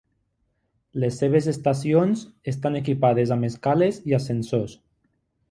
Les seves estacions estan equipades amb escales i ascensors.